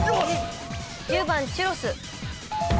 １０番チュロス。